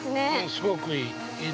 ◆すごくいい。